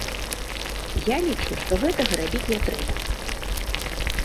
Я лічу, што гэтага рабіць не трэба.